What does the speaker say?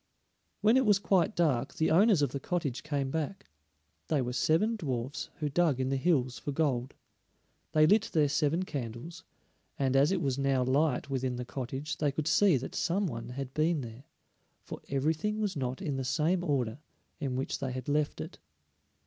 When it was quite dark the owners of the cottage came back; they were seven dwarfs who dug in the hills for gold. They lit their seven candles, and as it was now light within the cottage they could see that some one had been there, for everything was not in the same order in which they had left it.